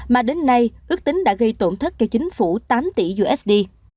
mà đến nay ước tính đã gây tổn thất cho chính phủ tám tỷ usd